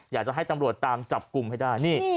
อยากจะให้จำรวจตามจับกุมแบบนี้